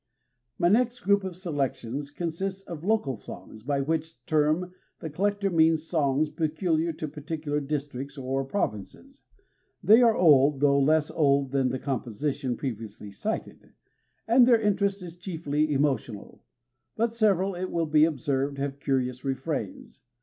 My next group of selections consists of "local songs" by which term the collector means songs peculiar to particular districts or provinces. They are old though less old than the compositions previously cited; and their interest is chiefly emotional. But several, it will be observed, have curious refrains.